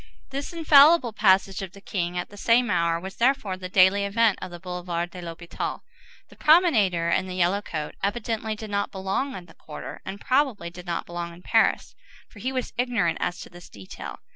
This infallible passage of the king at the same hour was, therefore, the daily event of the Boulevard de l'Hôpital. The promenader in the yellow coat evidently did not belong in the quarter, and probably did not belong in Paris, for he was ignorant as to this detail.